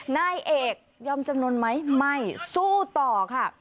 นายเอกยอมจำนวนไหมไม่สู้ต่อค่ะ